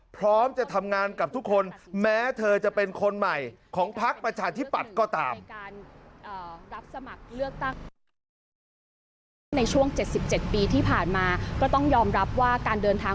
พร้อมจะทำงานกับทุกคนแม้เธอจะเป็นคนใหม่ของพักประชาธิปัตย์ก็ตาม